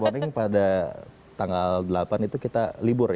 good morning pada tanggal delapan itu kita libur ya